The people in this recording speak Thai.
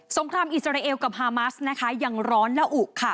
งครามอิสราเอลกับฮามัสนะคะยังร้อนและอุค่ะ